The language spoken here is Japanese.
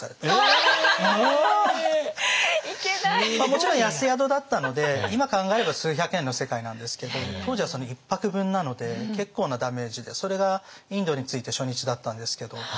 もちろん安宿だったので今考えれば数百円の世界なんですけど当時は１泊分なので結構なダメージでそれがインドに着いて初日だったんですけど。